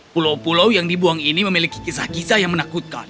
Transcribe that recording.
pulau pulau yang dibuang ini memiliki kisah kisah yang menakutkan